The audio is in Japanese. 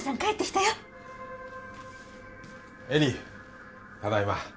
ただいま